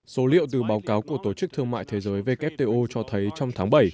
số liệu từ báo cáo của tổ chức thương mại thế giới wto cho thấy trong tháng bảy